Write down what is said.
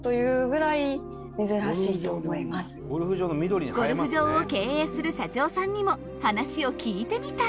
ゴルフ場を経営する社長さんにも話を聞いてみた。